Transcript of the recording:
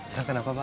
ya kenapa pak